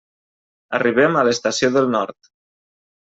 Arribem a l'Estació del Nord.